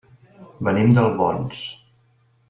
Venim d'Albons.